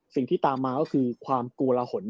สิ่งที่ตามมาก็คือความกลัวละหน